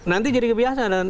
nanti jadi kebiasaan